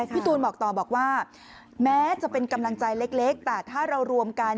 พี่ตูนบอกต่อบอกว่าแม้จะเป็นกำลังใจเล็กแต่ถ้าเรารวมกัน